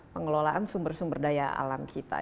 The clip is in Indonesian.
pengelolaan sumber sumber daya alam kita